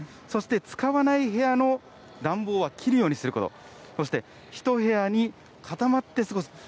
そして使わない部屋の暖房は切るようにすること、そして、１部屋に固まって過ごす。